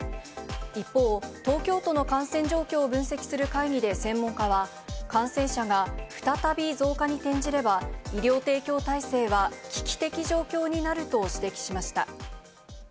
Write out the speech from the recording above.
一方、東京都の感染状況を分析する会議で専門家は、感染者が再び増加に転じれば、医療提供体制は危機的状況になると指摘しました。